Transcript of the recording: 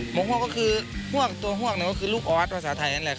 หมกฮวกก็คือตัวฮวกหนึ่งคือลูกออสภาษาไทยมั้ยค์